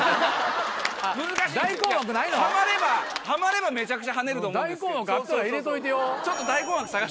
ハマればハマればめちゃくちゃはねると思うんですけど。